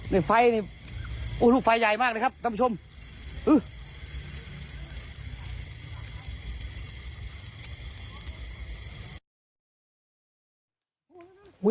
นี่ไฟนี่ลูกไฟใหญ่มากเลยครับท่านผู้ชม